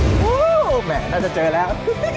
โอ้โหแม่น่าจะเจอแล้ว